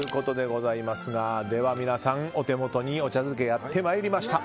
では皆さん、お手元にお茶漬けがやってまいりました。